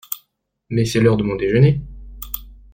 Mais c’est l’heure de mon déjeuner.